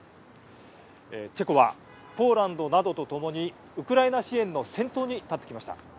チェコはポーランドなどと共にウクライナ支援の先頭に立ってきました。